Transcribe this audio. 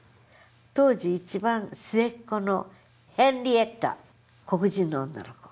当時一番末っ子のヘンリエッタ黒人の女の子。